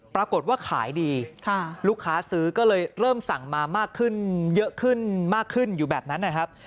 ปรากฏว่าขายดีลูกค้าซื้อก็เลยเริ่มสั่งมามากขึ้นเยอะขึ้นมากขึ้นอยู่แบบนั้นนะครับ